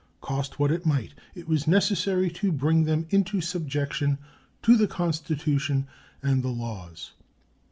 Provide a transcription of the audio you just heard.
Cost what it might, it was necessary to bring them into subjection to the Constitution and the laws.